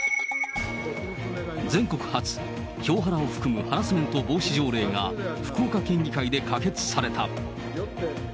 全国初、票ハラを含むハラスメント防止条例が、福岡県議会で可決された。